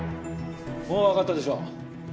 もうわかったでしょ？